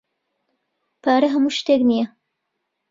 پارە ھەموو شتێک نییە.